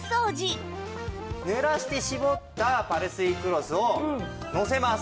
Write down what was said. ぬらして絞ったパルスイクロスをのせます。